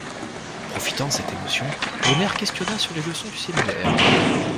Profitant de cette émotion, Omer questionna sur les leçons du séminaire.